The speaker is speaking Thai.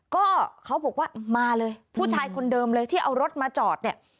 ก็เขาบอกว่ามาเลยผู้ชายคนเดิมเลยที่เอารถมาจอดเนี่ย